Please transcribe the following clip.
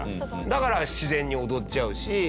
だから自然に踊っちゃうし。